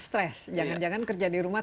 stres jangan jangan kerja di rumah